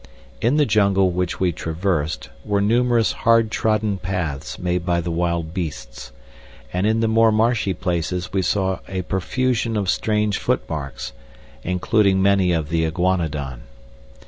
In the jungle which we traversed were numerous hard trodden paths made by the wild beasts, and in the more marshy places we saw a profusion of strange footmarks, including many of the iguanodon.